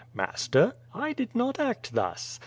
Master, I did not act thus.